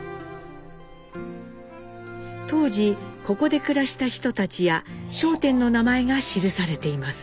当時ここで暮らした人たちや商店の名前が記されています。